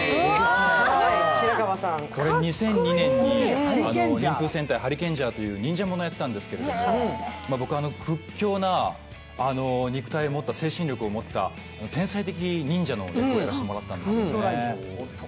２００２年に「忍風戦隊ハリケンジャー」という忍者ものをやってたんですけど、僕は屈強な肉体を持った、精神力を持った天才的な忍者の役をやらせてもらってたんです。